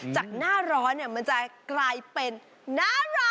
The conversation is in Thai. จากหน้าร้อนเนี่ยมันจะกลายเป็นนารักอ่ะ